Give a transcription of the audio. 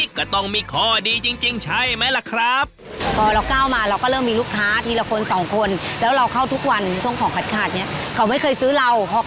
ก็ต้องมีข้อดีจริงใช่ไหมล่ะครับ